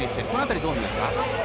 この辺りはどう見ますか？